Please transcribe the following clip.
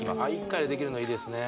１回でできるのいいですね